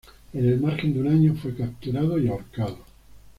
En el margen de un año, fue capturado y ahorcado.